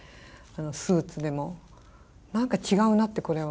スーツでも何か違うなってこれは。